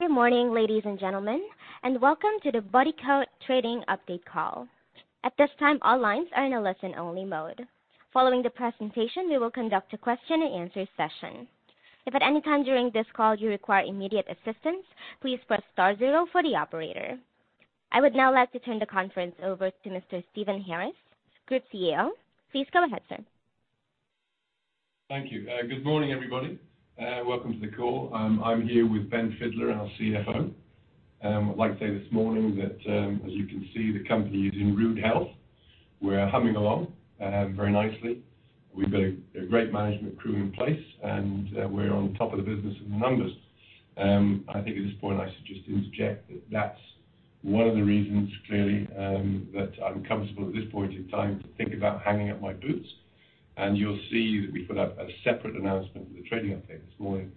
Good morning, ladies and gentlemen. Welcome to the Bodycote Trading Update Call. At this time, all lines are in a listen-only mode. Following the presentation, we will conduct a question and answer session. If at any time during this call you require immediate assistance, please press star zero for the operator. I would now like to turn the conference over to Mr. Stephen Harris, Group CEO. Please go ahead, sir. Thank you. Good morning, everybody, welcome to the call. I'm here with Ben Fidler, our CFO. I'd like to say this morning that, as you can see, the company is in rude health. We're humming along very nicely. We've got a great management crew in place, we're on top of the business and the numbers. I think at this point, I should just interject that that's one of the reasons, clearly, that I'm comfortable at this point in time to think about hanging up my boots. You'll see that we put out a separate announcement with the trading update this morning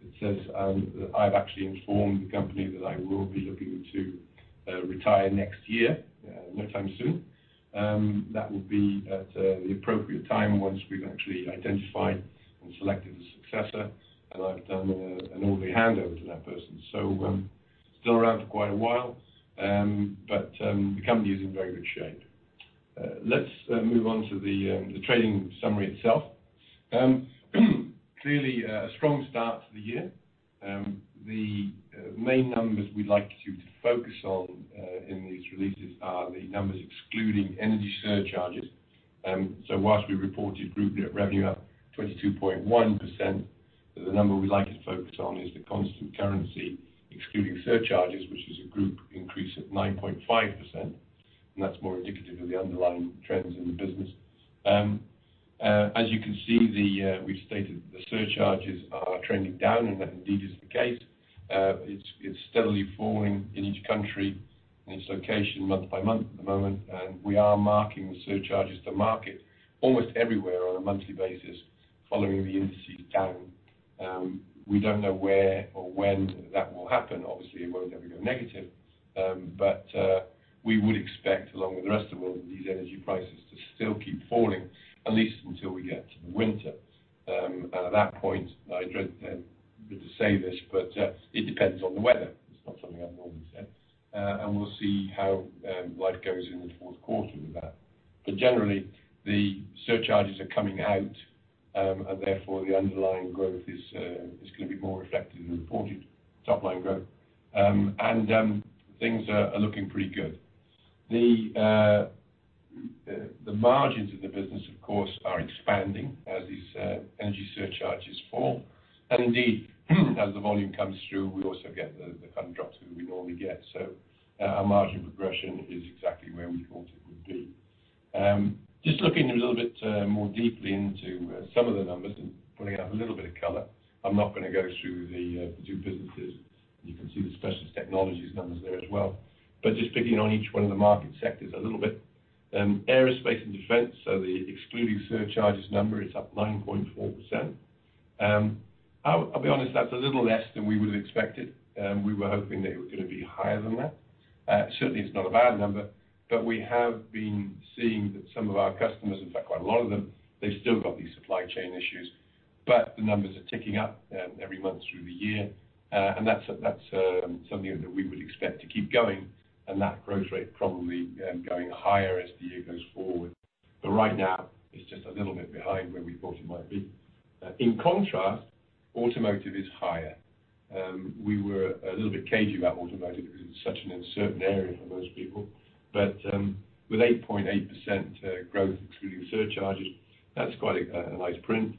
that says that I've actually informed the company that I will be looking to retire next year, no time soon. That will be at the appropriate time once we've actually identified and selected a successor, and I've done an orderly handover to that person. Still around for quite a while, the company is in very good shape. Let's move on to the trading summary itself. Clearly, a strong start to the year. The main numbers we'd like you to focus on in these releases are the numbers excluding energy surcharges. Whilst we reported group net revenue up 22.1%, the number we'd like you to focus on is the constant currency, excluding surcharges, which is a group increase of 9.5%, and that's more indicative of the underlying trends in the business. As you can see, we've stated the surcharges are trending down, and that indeed is the case. It's steadily falling in each country and its location month by month at the moment, and we are marking the surcharges to market almost everywhere on a monthly basis, following the indices down. We don't know where or when that will happen. Obviously, it won't ever go negative. We would expect, along with the rest of the world, these energy prices to still keep falling, at least until we get to the winter. At that point, I dread to say this, but it depends on the weather. It's not something I normally say. We'll see how life goes in the fourth quarter with that. Generally, the surcharges are coming out, and therefore, the underlying growth is gonna be more reflected in the reported top-line growth. Things are looking pretty good. The margins in the business, of course, are expanding as these energy surcharges fall. Indeed, as the volume comes through, we also get the kind of drops that we normally get. Our margin progression is exactly where we thought it would be. Just looking a little bit more deeply into some of the numbers and pulling out a little bit of color, I'm not gonna go through the two businesses. You can see the Specialist Technologies numbers there as well. Just picking on each one of the market sectors a little bit. Aerospace & Defence, the excluding surcharges number is up 9.4%. I'll be honest, that's a little less than we would expected. We were hoping that it was gonna be higher than that. Certainly, it's not a bad number, but we have been seeing that some of our customers, in fact, quite a lot of them, they've still got these supply chain issues. The numbers are ticking up every month through the year, and that's something that we would expect to keep going and that growth rate probably going higher as the year goes forward. Right now, it's just a little bit behind where we thought it might be. In contrast, automotive is higher. We were a little bit cagey about automotive because it's such an uncertain area for most people, but with 8.8% growth excluding surcharges, that's quite a nice print.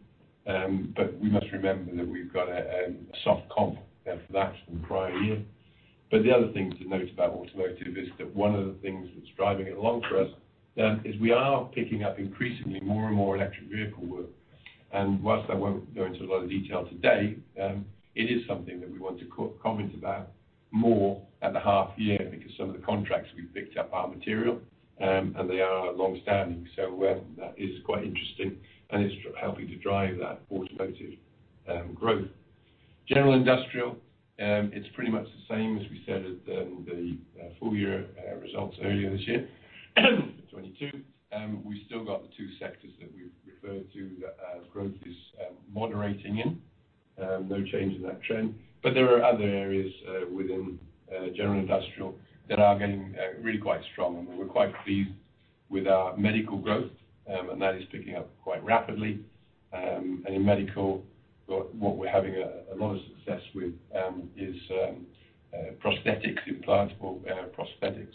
We must remember that we've got a soft comp there for that from the prior year. The other thing to note about automotive is that one of the things that's driving it along for us is we are picking up increasingly more and more electric vehicle work. Whilst I won't go into a lot of detail today, it is something that we want to comment about more at the half year because some of the contracts we've picked up are material, and they are long-standing. That is quite interesting, and it's helping to drive that automotive growth. General Industrial, it's pretty much the same as we said at the full year results earlier this year, 2022. We've still got the two sectors that we've referred to that growth is moderating in. No change in that trend, but there are other areas within General Industrial that are getting really quite strong. We're quite pleased with our medical growth, and that is picking up quite rapidly. And in medical, what we're having a lot of success with is prosthetics, implantable prosthetics.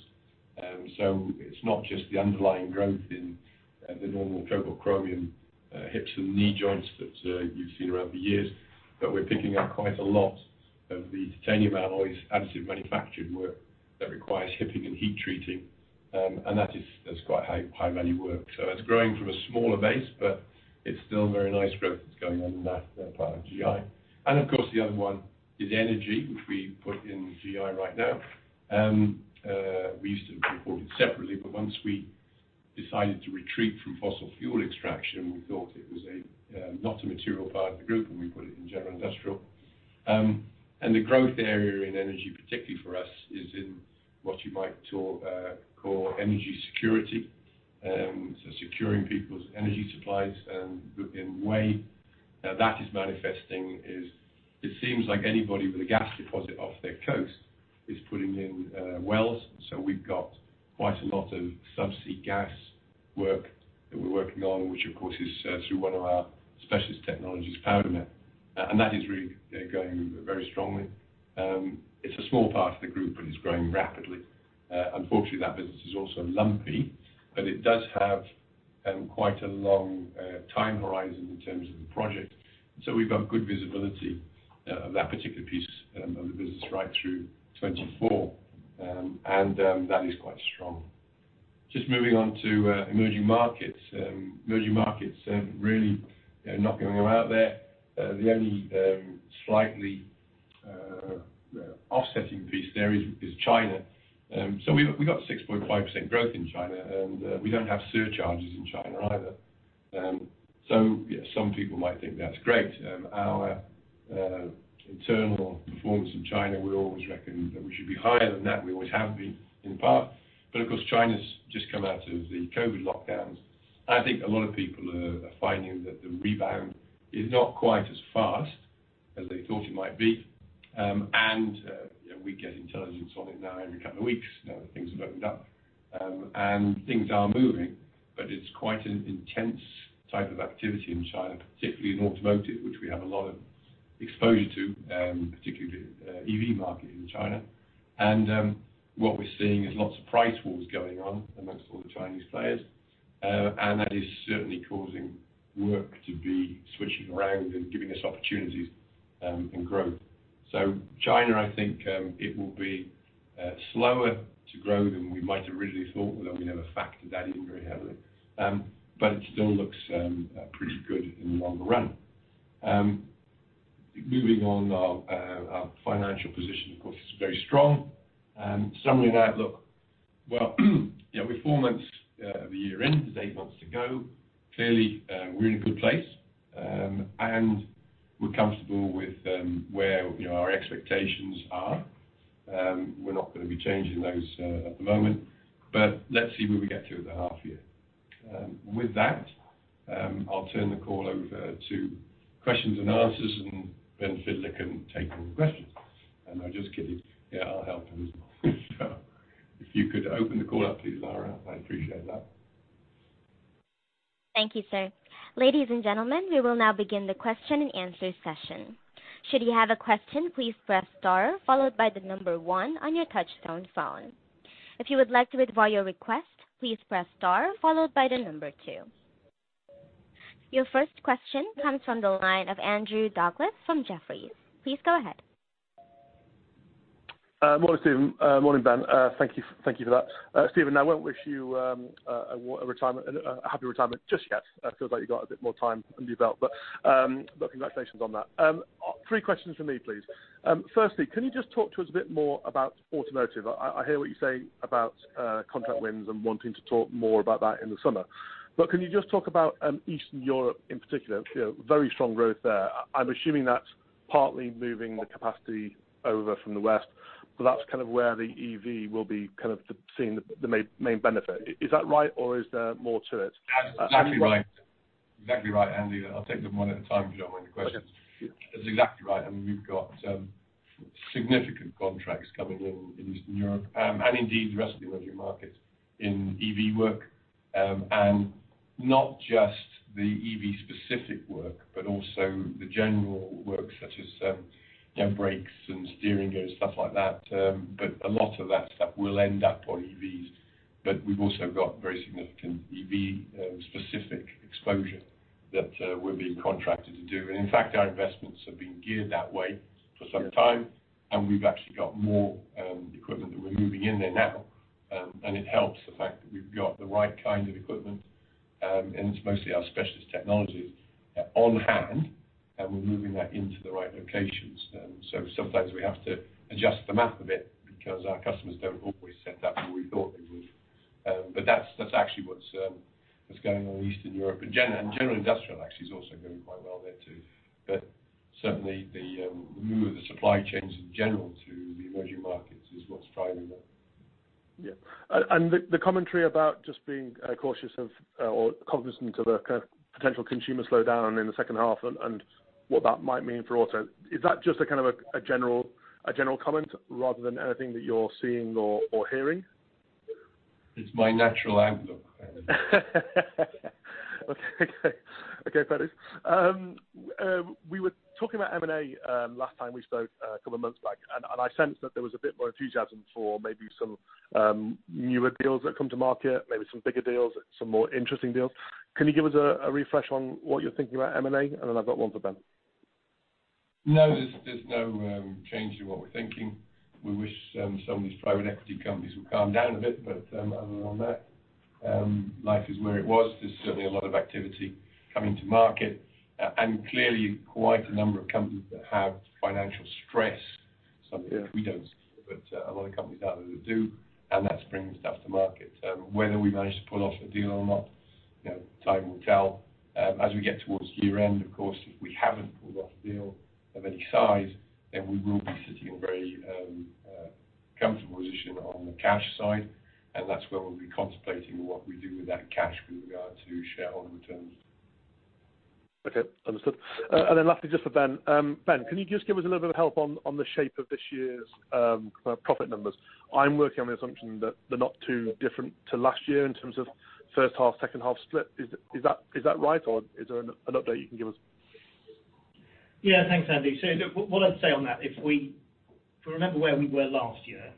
It's not just the underlying growth in the normal cobalt chromium hips and knee joints that you've seen around for years, but we're picking up quite a lot of the titanium alloys additive manufactured work that requires HIPing and heat treating, that's quite high, high-value work. It's growing from a smaller base, but it's still very nice growth that's going on in that part of GI. Of course, the other one is energy, which we put in GI right now. We used to report it separately, but once we decided to retreat from fossil fuel extraction, we thought it was not a material part of the group, and we put it in General Industrial. The growth area in energy, particularly for us, is in what you might call energy security.... Securing people's energy supplies, and the way that is manifesting is it seems like anybody with a gas deposit off their coast is putting in wells. We've got quite a lot of subsea gas work that we're working on, which, of course, is through one of our Specialist Technologies, PowderMet. That is really going very strongly. It's a small part of the group, but it's growing rapidly. Unfortunately, that business is also lumpy, but it does have quite a long time horizon in terms of the project. We've got good visibility of that particular piece of the business right through 2024, and that is quite strong. Just moving on to Emerging Markets. Emerging Markets really not going to go out there. The only slightly offsetting piece there is China. We got 6.5% growth in China, and we don't have surcharges in China either. Some people might think that's great. Our internal performance in China, we always reckon that we should be higher than that. We always have been, in part, but of course, China's just come out of the COVID lockdowns. I think a lot of people are finding that the rebound is not quite as fast as they thought it might be. We get intelligence on it now every couple of weeks, now that things have opened up. Things are moving, but it's quite an intense type of activity in China, particularly in automotive, which we have a lot of exposure to, particularly the EV market in China. What we're seeing is lots of price wars going on amongst all the Chinese players, and that is certainly causing work to be switching around and giving us opportunities and growth. China, I think, it will be slower to row than we might have originally thought, although we never factored that in very heavily. It still looks pretty good in the longer run. Moving on, our financial position, of course, is very strong. Summary of that, look, well, you know, we're four months of the year in, there's eight months to go. Clearly, we're in a good place, and we're comfortable with where, you know, our expectations are. We're not going to be changing those at the moment, let's see where we get to at the half year. With that, I'll turn the call over to questions and answers, Ben Fidler can take all the questions. I'm just kidding. Yeah, I'll help him as well. If you could open the call up, please, Lara, I'd appreciate that. Thank you, sir. Ladies and gentlemen, we will now begin the question and answer session. Should you have a question, please press star followed by 1 on your touch-tone phone. If you would like to withdraw your request, please press star followed by 2. Your first question comes from the line of Andrew Douglas from Jefferies. Please go ahead. Morning, Stephen. Morning, Ben. Thank you, thank you for that. Stephen, I won't wish you a retirement, a happy retirement just yet. Feels like you got a bit more time under your belt, but congratulations on that. Three questions for me, please. Firstly, can you just talk to us a bit more about automotive? I hear what you say about contract wins and wanting to talk more about that in the summer. Can you just talk about Eastern Europe in particular? You know, very strong growth there. I'm assuming that's partly moving the capacity over from the West, but that's kind of where the EV will be kind of seeing the main benefit. Is that right, or is there more to it? That's exactly right. Exactly right, Andy. I'll take them one at a time, John, with your questions. Sure. That's exactly right. I mean, we've got significant contracts coming in in Eastern Europe, and indeed, the rest of the Emerging Markets in EV work. Not just the EV specific work, but also the general work, such as, you know, brakes and steering and stuff like that. A lot of that stuff will end up on EVs. We've also got very significant EV specific exposure that we're being contracted to do. In fact, our investments have been geared that way for some time, and we've actually got more equipment that we're moving in there now. It helps the fact that we've got the right kind of equipment, and it's mostly our Specialist Technologies on hand, and we're moving that into the right locations. Sometimes we have to adjust the map a bit because our customers don't always send that where we thought they would. That's, that's actually what's going on in Eastern Europe. General Industrial, actually, is also going quite well there, too. Certainly, the move of the supply chains in general to the Emerging Markets is what's driving that. Yeah. The commentary about just being cautious of, or cognizant of the kind of potential consumer slowdown in the second half and what that might mean for auto, is that just a kind of a general comment rather than anything that you're seeing or hearing? It's my natural outlook. Okay. Okay, fair enough. We were talking about M&A, last time we spoke, a couple of months back, and I sensed that there was a bit more enthusiasm for maybe some newer deals that come to market, maybe some bigger deals, some more interesting deals. Can you give us a refresh on what you're thinking about M&A? I've got one for Ben. No, there's no change in what we're thinking. We wish some of these private equity companies would calm down a bit, but other than that, life is where it was. There's certainly a lot of activity coming to market, and clearly quite a number of companies that have financial stress. Yeah. Some we don't, but a lot of companies out there that do, and that's bringing stuff to market. Whether we manage to pull off a deal or not, time will tell. As we get towards year-end, of course, if we haven't pulled off a deal of any size, then we will be sitting in a very comfortable position on the cash side, and that's where we'll be contemplating what we do with that cash with regard to shareholder returns. Okay, understood. Lastly, just for Ben. Ben, can you just give us a little bit of help on the shape of this year's profit numbers? I'm working on the assumption that they're not too different to last year in terms of first half, second half split. Is that right, or is there an update you can give us? Yeah, thanks, Andy. Look, what I'd say on that, if we remember where we were last year.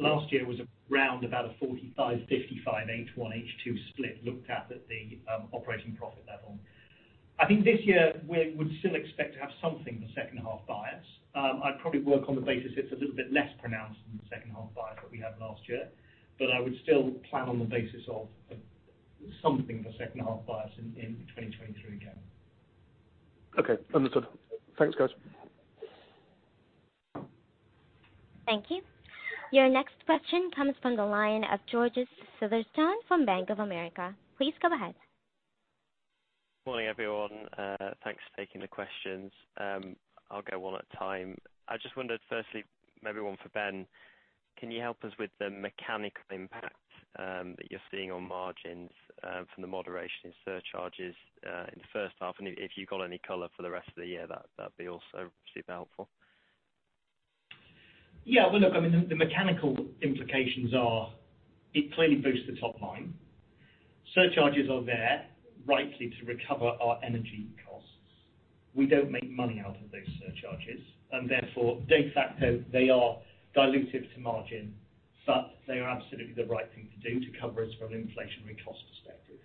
Last year was around about a 45, 55, H1, H2 split looked at the operating profit level. I think this year we would still expect to have something the second half bias. I'd probably work on the basis it's a little bit less pronounced than the second half bias that we had last year, but I would still plan on the basis of something of a second half bias in 2023 again. Okay, understood. Thanks, guys. Thank you. Your next question comes from the line of George Featherstone from Bank of America. Please go ahead. Morning, everyone. Thanks for taking the questions. I'll go one at a time. I just wondered, firstly, maybe one for Ben, can you help us with the mechanical impact that you're seeing on margins from the moderation in surcharges in the first half? If you've got any color for the rest of the year, that'd be also super helpful. Yeah, well, look, I mean, the mechanical implications are it clearly boosts the top line. Surcharges are there rightly to recover our energy costs. We don't make money out of those surcharges, therefore, de facto, they are dilutive to margin. They are absolutely the right thing to do to cover us from an inflationary cost perspective.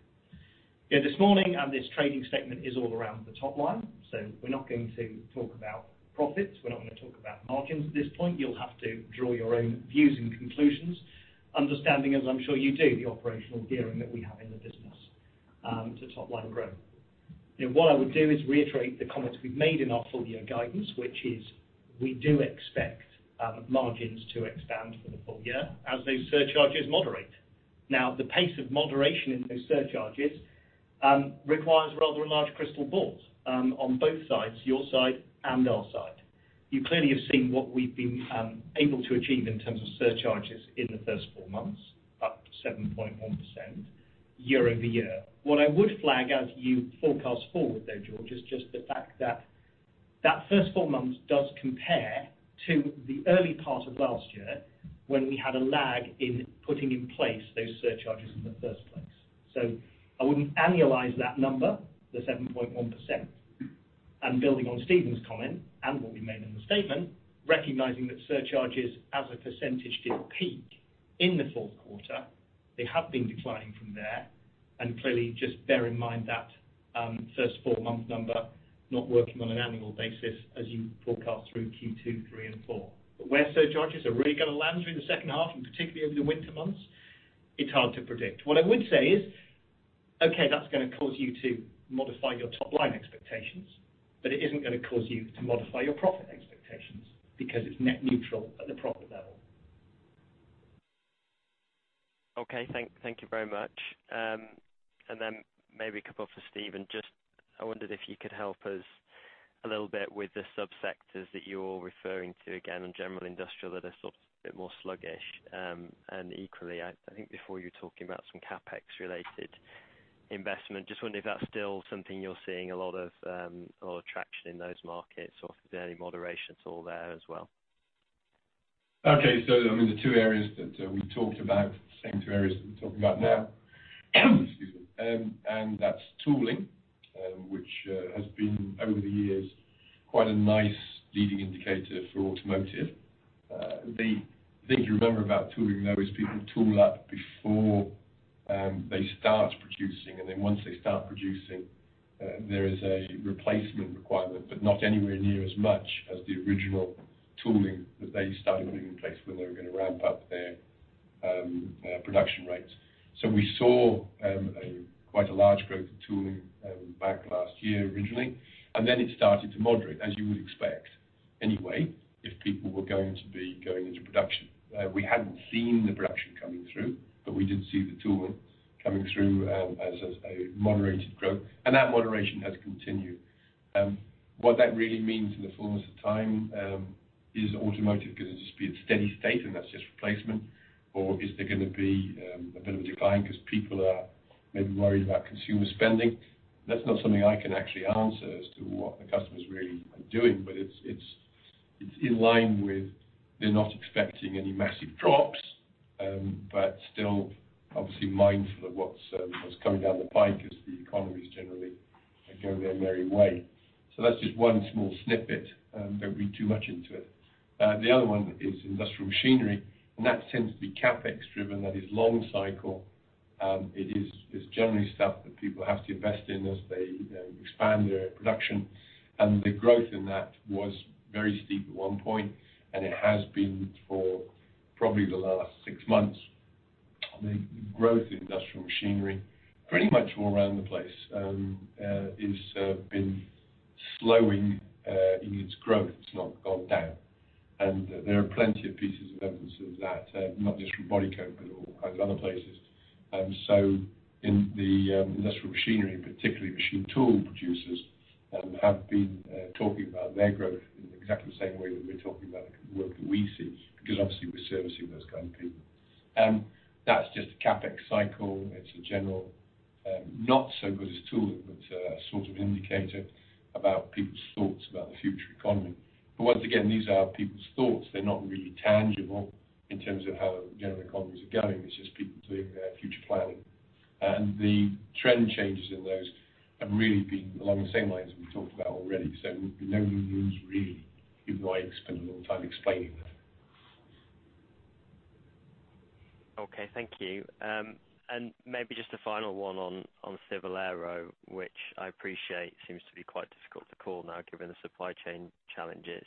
Yeah, this morning. This trading segment is all around the top line. We're not gonna talk about profits. We're not gonna talk about margins at this point. You'll have to draw your own views and conclusions, understanding, as I'm sure you do, the operational gearing that we have in the business to top line growth. You know, what I would do is reiterate the comments we've made in our full year guidance, which is we do expect margins to expand for the full year as those surcharges moderate. Now, the pace of moderation in those surcharges requires rather a large crystal ball on both sides, your side and our side. You clearly have seen what we've been able to achieve in terms of surcharges in the first four months, up 7.1% year-over-year. What I would flag as you forecast forward though, George, is just the fact that that first four months does compare to the early part of last year when we had a lag in putting in place those surcharges in the first place. I wouldn't annualize that number, the 7.1%. Building on Stephen's comment and what we made in the statement, recognizing that surcharges as a percentage did peak in the fourth quarter. They have been declining from there. Clearly just bear in mind that first four-month number, not working on an annual basis as you forecast through Q2, Q3, and Q4. Where surcharges are really gonna land during the second half and particularly over the winter months, it's hard to predict. What I would say is, okay, that's gonna cause you to modify your top-line expectations, but it isn't gonna cause you to modify your profit expectations because it's net neutral at the profit level. Okay. Thank you very much. Then maybe a couple for Stephen. Just I wondered if you could help us a little bit with the subsectors that you're referring to, again, in General Industrial, that are sort of a bit more sluggish. Equally, I think before you were talking about some CapEx related investment. Just wondering if that's still something you're seeing a lot of traction in those markets, or if the early moderation is all there as well? Okay. I mean, the two areas that we talked about, the same two areas that we're talking about now. Excuse me. That's tooling, which has been over the years quite a nice leading indicator for automotive. The thing you remember about tooling, though, is people tool up before they start producing, and then once they start producing, there is a replacement requirement, but not anywhere near as much as the original tooling that they started putting in place when they were gonna ramp up their production rates. We saw a quite a large growth of tooling back last year originally, and then it started to moderate, as you would expect. If people were going to be going into production, we hadn't seen the production coming through, but we did see the tooling coming through, as a moderated growth, and that moderation has continued. What that really means in the fullness of time, is automotive going to just be at steady state, and that's just replacement, or is there going to be a bit of a decline because people are maybe worried about consumer spending? That's not something I can actually answer as to what the customers really are doing, but it's, it's in line with they're not expecting any massive drops, but still obviously mindful of what's coming down the pike as the economies generally go their merry way. That's just one small snippet. Don't read too much into it. The other one is industrial machinery. That tends to be CapEx driven. That is long cycle. It is, it's generally stuff that people have to invest in as they, you know, expand their production. The growth in that was very steep at one point, and it has been for probably the last six months. The growth in industrial machinery pretty much all around the place, is slowing in its growth. It's not gone down. There are plenty of pieces of evidence of that, not just from Bodycote, but all kinds of other places. In the industrial machinery, particularly machine tool producers, have been talking about their growth in exactly the same way that we're talking about the work that we see, because obviously we're servicing those kind of people. That's just a CapEx cycle. It's a general, not so good as tool, but sort of indicator about people's thoughts about the future economy. Once again, these are people's thoughts. They're not really tangible in terms of how general economies are going. It's just people doing their future planning. The trend changes in those have really been along the same lines as we talked about already. No new news, really, is why I spend a long time explaining that. Okay, thank you. Maybe just a final one on civil aero, which I appreciate seems to be quite difficult to call now, given the supply chain challenges.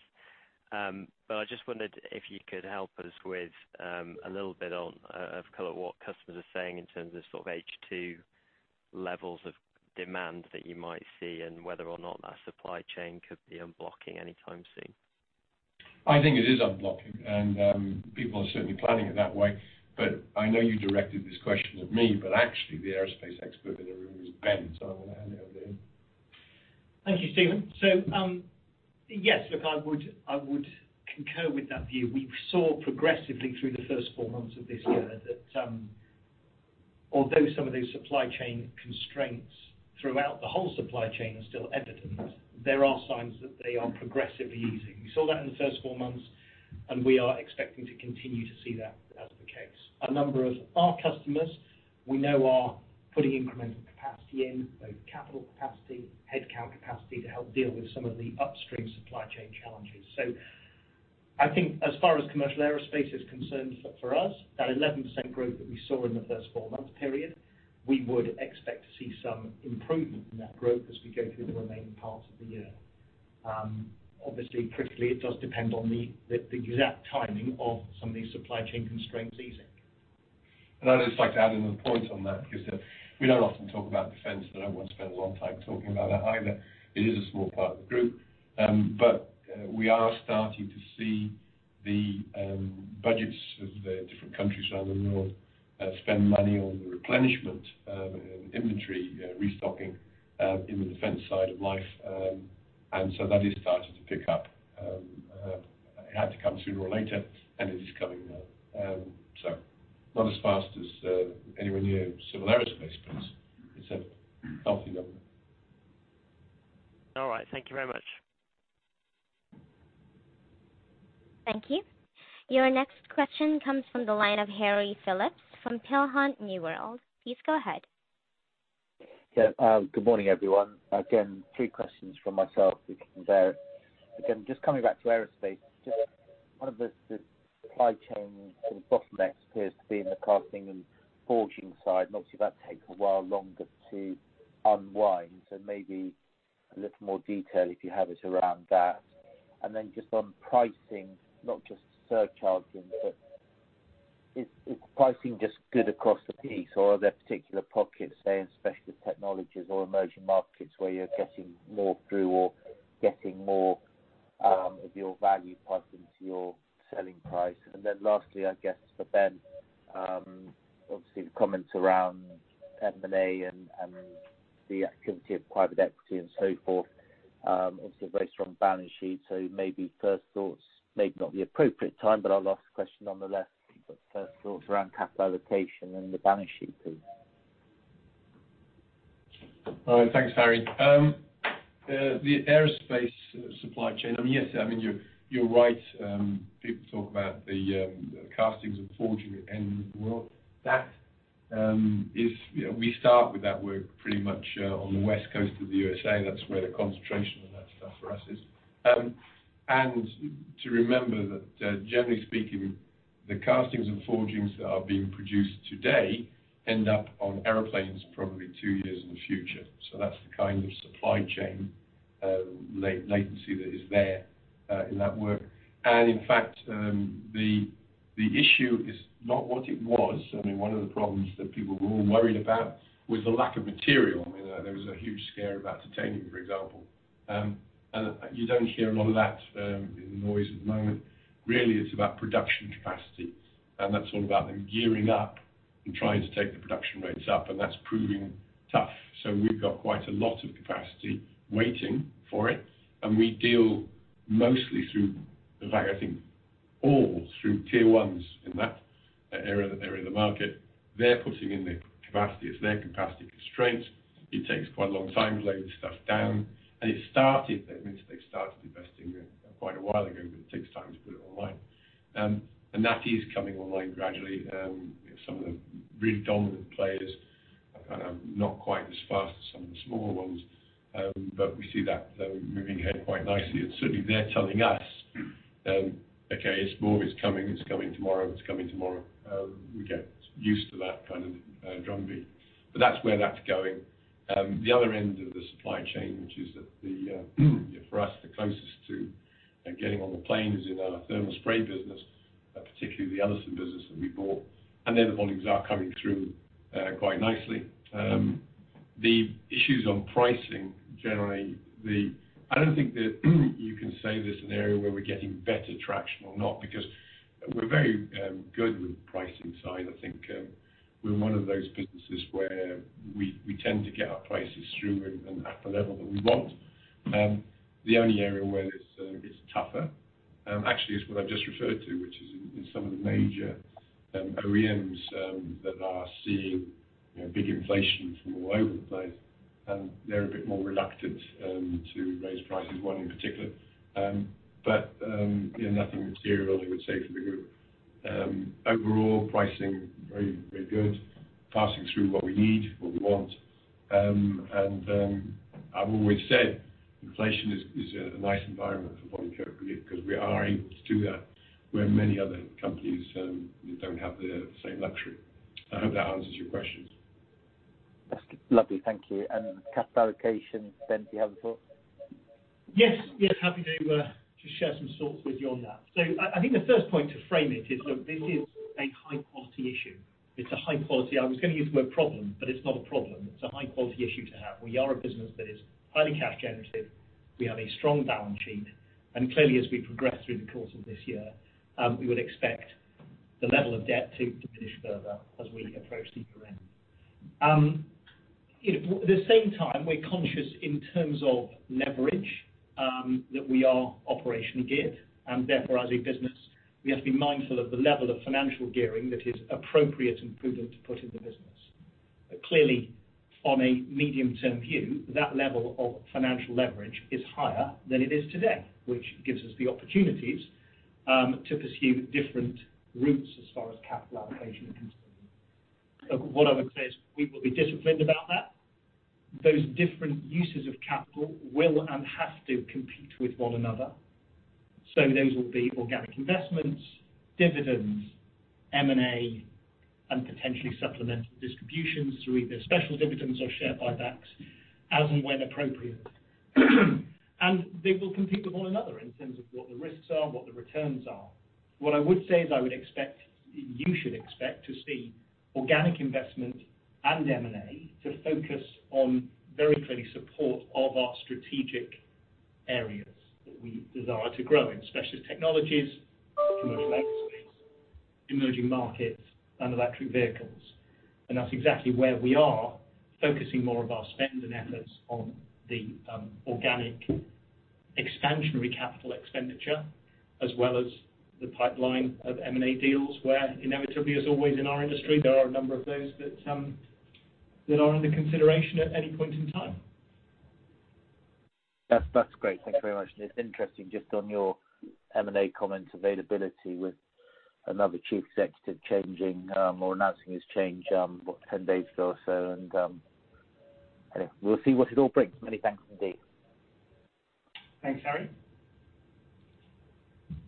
But I just wondered if you could help us with a little bit on of kind of what customers are saying in terms of sort of H2 levels of demand that you might see, and whether or not that supply chain could be unblocking anytime soon? I think it is unblocking, and, people are certainly planning it that way. I know you directed this question at me, but actually, the aerospace expert in the room is Ben, so I want to hand it over to him. Thank you, Stephen. Yes, look, I would concur with that view. We saw progressively through the first four months of this year that, although some of those supply chain constraints throughout the whole supply chain are still evident, there are signs that they are progressively easing. We saw that in the first four months, and we are expecting to continue to see that as the case. A number of our customers we know are putting incremental capacity in, both capital capacity, headcount capacity, to help deal with some of the upstream supply chain challenges. I think as far as commercial aerospace is concerned for us, that 11% growth that we saw in the first four-month period, we would expect to see some improvement in that growth as we go through the remaining parts of the year. Obviously, critically, it does depend on the exact timing of some of these supply chain constraints easing. I'd just like to add another point on that, because we don't often talk about defense, but I won't spend a long time talking about it either. It is a small part of the group. We are starting to see the budgets of the different countries around the world spend money on the replenishment and inventory restocking in the defense side of life. That is starting to pick up. It had to come sooner or later, and it is coming now. Not as fast as anywhere near civil aerospace, but it's a healthy government. All right. Thank you very much. Thank you. Your next question comes from the line of Harry Philips from Peel Hunt Newworld. Please go ahead. Good morning, everyone. Three questions from myself, we can bear. Just coming back to Aerospace, just one of the supply chain sort of bottlenecks appears to be in the casting and forging side. That takes a while longer to unwind, so maybe a little more detail, if you have it, around that. Just on pricing, not just surcharging, but is pricing just good across the piece or are there particular pockets, say, in Specialist Technologies or Emerging Markets where you're getting more through or getting more of your value passed into your selling price? Lastly, I guess for Ben, the comments around M&A and the activity of private equity and so forth, a very strong balance sheet. Maybe first thoughts, maybe not the appropriate time, but our last question on the left, but first thoughts around capital allocation and the balance sheet, please. All right. Thanks, Harry. The aerospace supply chain, I mean, yes, I mean, you're right. People talk about the castings and forging end of the world. That is, you know, we start with that work pretty much on the West Coast of the USA. That's where the concentration of that stuff for us is. To remember that, generally speaking, the castings and forgings that are being produced today end up on airplanes probably two years in the future. That's the kind of supply chain late latency that is there in that work. In fact, the issue is not what it was. I mean, one of the problems that people were all worried about was the lack of material. I mean, there was a huge scare about titanium, for example. You don't hear a lot of that in the noise at the moment. Really, it's about production capacity, and that's all about them gearing up and trying to take the production rates up, and that's proving tough. We've got quite a lot of capacity waiting for it, and we deal mostly through, in fact, I think all through Tier 1s in that area, that they're in the market. They're putting in the capacity, it's their capacity constraints. It takes quite a long time to lay this stuff down, and it started, I mean, they started investing in it quite a while ago, but it takes time to put it online. That is coming online gradually. Some of the really dominant players are kind of not quite as fast as some of the smaller ones, but we see that moving ahead quite nicely. It's certainly they're telling us, "Okay, it's more, it's coming, it's coming tomorrow, it's coming tomorrow." We get used to that kind of drumbeat. That's where that's going. The other end of the supply chain, which is at the, for us. Getting on the planes in our thermal spray business, particularly the Ellison business that we bought, and then the volumes are coming through quite nicely. The issues on pricing, generally, I don't think that you can say there's an area where we're getting better traction or not, because we're very good with the pricing side. I think, we're one of those businesses where we tend to get our prices through and at the level that we want. The only area where it's tougher, actually, is what I've just referred to, which is in some of the major OEMs that are seeing, you know, big inflation from all over the place, and they're a bit more reluctant to raise prices, one in particular. Yeah, nothing material, I would say, for the group. Overall pricing, very, very good. Passing through what we need, what we want. I've always said, inflation is a nice environment for Bodycote because we are able to do that, where many other companies don't have the same luxury. I hope that answers your question. That's lovely. Thank you. Capital allocation, Ben, do you have a thought? Yes. Yes, happy to share some thoughts with you on that. I think the first point to frame it is that this is a high quality issue. I was gonna use the word problem, but it's not a problem. It's a high quality issue to have. We are a business that is highly cash generative. We have a strong balance sheet, and clearly, as we progress through the course of this year, we would expect the level of debt to diminish further as we approach the year end. you know, at the same time, we're conscious in terms of leverage, that we are operationally geared, and therefore, as a business, we have to be mindful of the level of financial gearing that is appropriate and prudent to put in the business. Clearly, on a medium-term view, that level of financial leverage is higher than it is today, which gives us the opportunities to pursue different routes as far as capital allocation is concerned. What I would say is, we will be disciplined about that. Those different uses of capital will and have to compete with one another. Those will be organic investments, dividends, M&A, and potentially supplemental distributions through either special dividends or share buybacks, as and when appropriate. They will compete with one another in terms of what the risks are, what the returns are. What I would say is I would expect, you should expect to see organic investment and M&A to focus on very clearly support of our strategic areas that we desire to grow in, Specialist Technologies, commercial Aerospace & Defence, Emerging Markets, and electric vehicles. That's exactly where we are focusing more of our spend and efforts on the organic expansionary capital expenditure, as well as the pipeline of M&A deals, where inevitably, as always, in our industry, there are a number of those that are under consideration at any point in time. That's great. Thank you very much. It's interesting, just on your M&A comments, availability with another chief executive changing, or announcing his change, what, 10 days ago or so, and, anyway, we'll see what it all brings. Many thanks indeed. Thanks, Harry.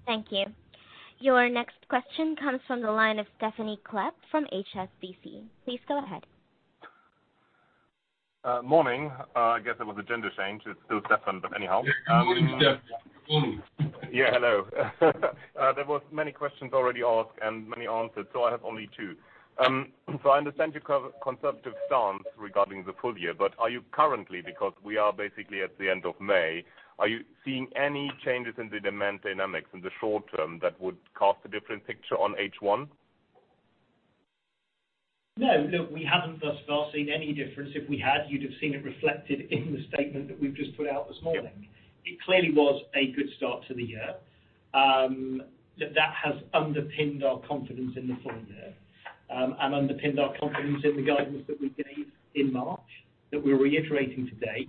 Thank you. Your next question comes from the line of Stephan Klepp from HSBC. Please go ahead. Morning. I guess it was a gender change. It's still Stephan, but anyhow- Yeah. Good morning, Steph. Morning. Yeah, hello. There was many questions already asked and many answered. I have only two. I understand your conservative stance regarding the full year, but are you currently, because we are basically at the end of May, are you seeing any changes in the demand dynamics in the short term that would cast a different picture on H1? No, look, we haven't thus far seen any difference. If we had, you'd have seen it reflected in the statement that we've just put out this morning. It clearly was a good start to the year. That has underpinned our confidence in the full year, and underpinned our confidence in the guidance that we gave in March, that we're reiterating today,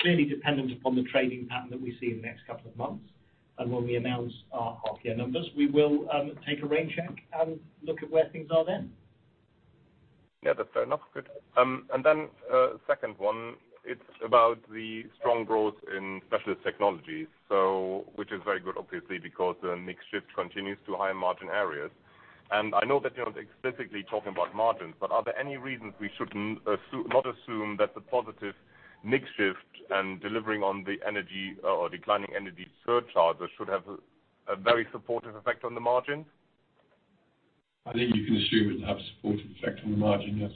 clearly dependent upon the trading pattern that we see in the next couple of months. When we announce our half year numbers, we will, take a rain check and look at where things are then. Yeah, that's fair enough. Good. Then, second one, it's about the strong growth in Specialist Technologies, so which is very good, obviously, because the mix shift continues to high-margin areas. I know that you're not specifically talking about margins, but are there any reasons we shouldn't assume, not assume that the positive mix shift and delivering on the energy, or declining energy surcharges should have a very supportive effect on the margin? I think you can assume it'll have a supportive effect on the margin, yes.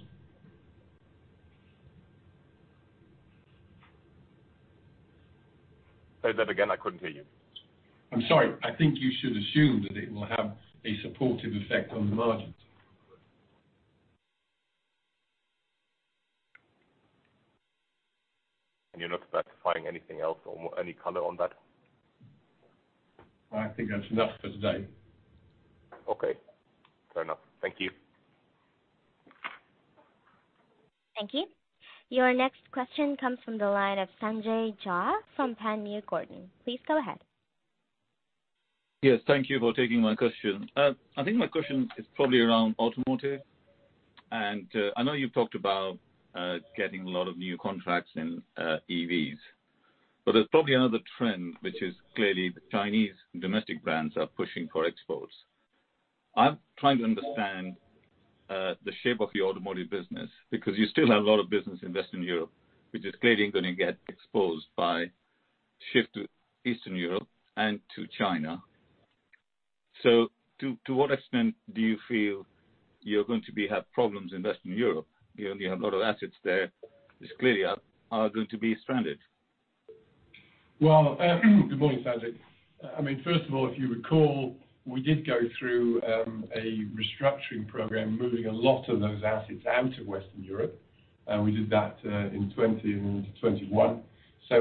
Say that again. I couldn't hear you. I'm sorry. I think you should assume that it will have a supportive effect on the margins. You're not specifying anything else or any color on that? I think that's enough for today. Okay. Fair enough. Thank you. Thank you. Your next question comes from the line of Sanjay Jha from Panmure Gordon. Please go ahead. Yes, thank you for taking my question. I think my question is probably around automotive, and I know you've talked about getting a lot of new contracts in EVs. There's probably another trend, which is clearly the Chinese domestic brands are pushing for exports. I'm trying to understand the shape of your automotive business, because you still have a lot of business in Western Europe, which is clearly gonna get exposed by shift to Eastern Europe and to China. To what extent do you feel you're going to be, have problems in Western Europe? You know, you have a lot of assets there, which clearly are going to be stranded. Well, good morning, Sanjay. I mean, first of all, if you recall, we did go through a restructuring program, moving a lot of those assets out of Western Europe, and we did that in 20, into 2021.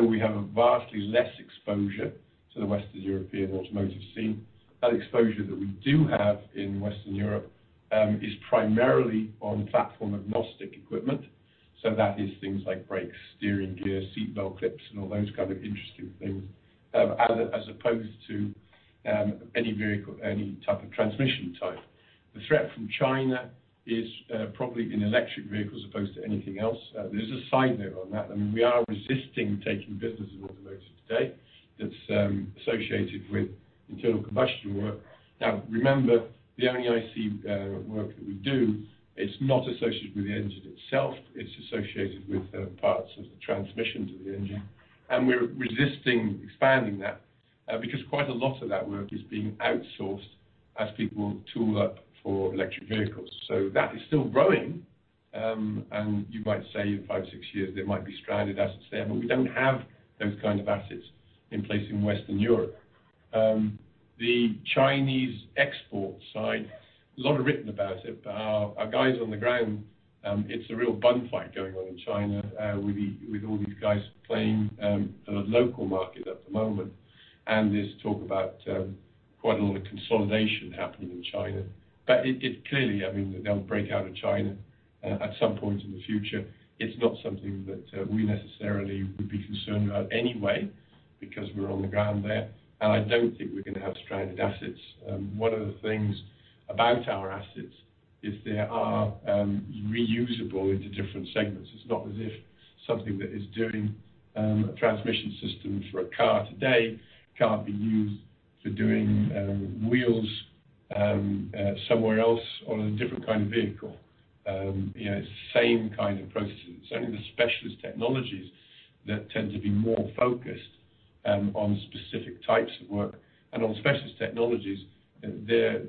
We have a vastly less exposure to the Western European automotive scene. That exposure that we do have in Western Europe is primarily on platform-agnostic equipment. That is things like brakes, steering gear, seatbelt clips, and all those kind of interesting things, as opposed to any vehicle, any type of transmission type. The threat from China is probably in electric vehicles as opposed to anything else. There's a side note on that. I mean, we are resisting taking business in automotive today that's associated with internal combustion work. Remember, the only IC work that we do, it's not associated with the engine itself. It's associated with parts of the transmission to the engine, and we're resisting expanding that because quite a lot of that work is being outsourced as people tool up for electric vehicles. That is still growing. You might say in five, six years, there might be stranded assets there. We don't have those kind of assets in place in Western Europe. The Chinese export side, a lot are written about it. Our guys on the ground, it's a real bun fight going on in China, with all these guys playing the local market at the moment. There's talk about quite a lot of consolidation happening in China. It, it clearly, I mean, they'll break out of China at some point in the future. It's not something that we necessarily would be concerned about anyway, because we're on the ground there, and I don't think we're gonna have stranded assets. One of the things about our assets is they are reusable into different segments. It's not as if something that is doing a transmission system for a car today can't be used for doing wheels somewhere else on a different kind of vehicle. You know, it's the same kind of processes. Only the Specialist Technologies that tend to be more focused on specific types of work. On Specialist Technologies, they're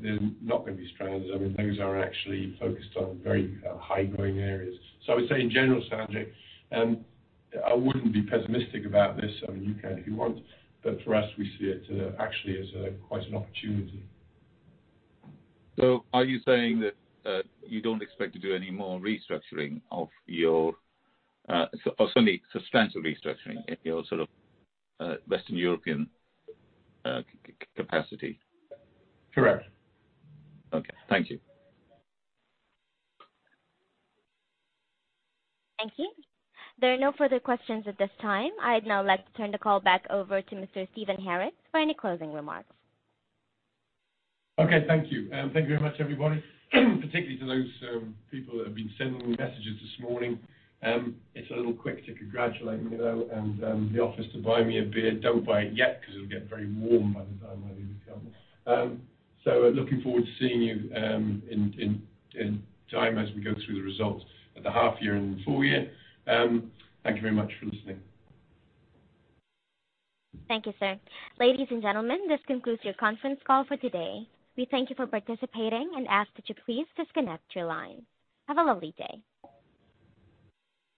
not gonna be stranded. I mean, those are actually focused on very high-growing areas. I would say in general, Sanjay, I wouldn't be pessimistic about this. I mean, you can if you want, but for us, we see it actually as quite an opportunity. Are you saying that, you don't expect to do any more restructuring of your, or sorry, substantial restructuring in your sort of, Western European, capacity? Correct. Okay. Thank you. Thank you. There are no further questions at this time. I'd now like to turn the call back over to Mr. Stephen Harris for any closing remarks. Okay. Thank you. Thank you very much, everybody, particularly to those people that have been sending me messages this morning. It's a little quick to congratulate me, though, and the office to buy me a beer. Don't buy it yet, 'cause it'll get very warm by the time I leave town. Looking forward to seeing you in time as we go through the results at the half year and the full year. Thank you very much for listening. Thank you, sir. Ladies and gentlemen, this concludes your conference call for today. We thank you for participating and ask that you please disconnect your line. Have a lovely day.